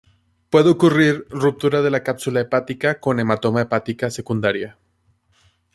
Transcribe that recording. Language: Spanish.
Puede ocurrir ruptura de la cápsula hepática con hematoma hepática secundaria.